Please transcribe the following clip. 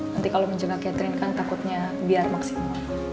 nanti kalau menjaga catherine kan takutnya biar maksimum